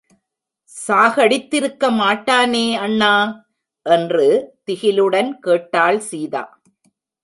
சாகடித்திருக்க மாட்டானே, அண்ணா? என்று திகிலுடன் கேட்டாள் சீதா.